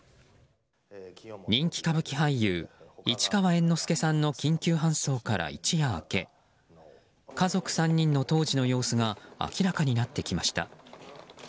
人気歌舞伎俳優市川猿之助さんの緊急搬送から一夜明け家族３人の当時の様子が明らかになってきました。